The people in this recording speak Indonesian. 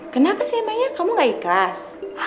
kenapa sih emangnya kamu gak ikhlas